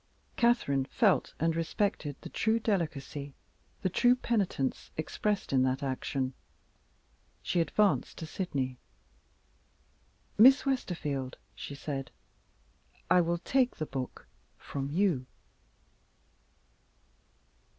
Catherine felt and respected the true delicacy, the true penitence, expressed in that action. She advanced to Sydney. "Miss Westerfield," she said, "I will take the book from you."